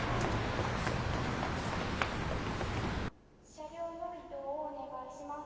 「車両の移動をお願いします」